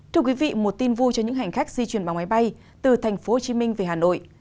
thưa quý vị một tin vui cho những hành khách di chuyển bằng máy bay từ thành phố hồ chí minh về hà nội